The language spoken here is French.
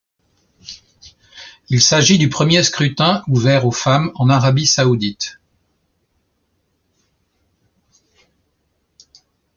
Il s'agit du premier scrutin ouvert aux femmes en Arabie saoudite.